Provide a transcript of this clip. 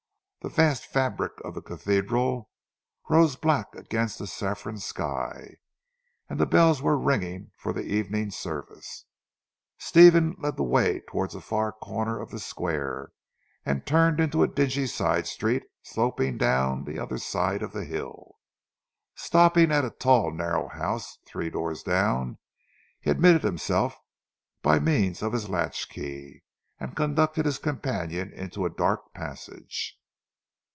The vast fabric of the cathedral rose black against a saffron sky, and the bells were ringing for the evening service. Stephen led the way towards a far corner of the square, and turned into a dingy side street sloping down the other side of the hill. Stopping at a tall narrow house three doors down, he admitted himself by means of his latch key and conducted his companion into a dark passage.